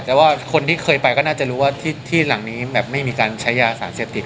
แต่ว่าคนที่เคยไปก็น่าจะรู้ว่าที่หลังนี้แบบไม่มีการใช้ยาสารเสพติด